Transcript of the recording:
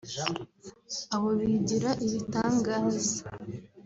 Abo bigira ibitangaza